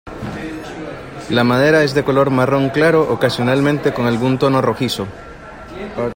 La madera es de color marrón claro, ocasionalmente con algún tono rojizo.